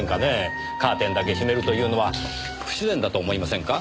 カーテンだけ閉めるというのは不自然だと思いませんか？